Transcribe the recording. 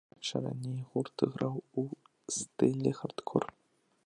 Дарэчы, раней гурт граў у стылі хардкор.